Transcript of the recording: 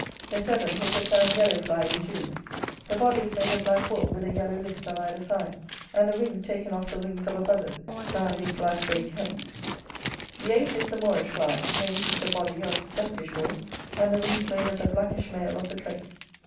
The seventh is the sad yellow fly in June: the body is made of black wool, with a yellow list on either side; and the wings taken off the wings of a buzzard, bound with black braked hemp. The eighth is the moorish fly; made, with the body, of duskish wool; and the wings made of the blackish mail of the drake.